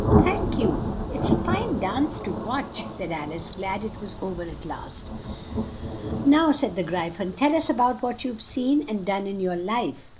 '" "Thank you, it's a fine dance to watch," said Al ice, glad that it was o ver at last. "Now," said the Gry phon, "tell us a bout what you have seen and done in your life."